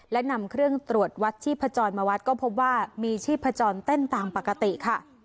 และนำเครื่องตรวจวัดชีพจรมาวัดก็พบว่ามีชีพจรเต้นตามปกติค่ะ